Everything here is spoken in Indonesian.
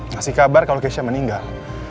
ngasih kabar kalau keisha meninggal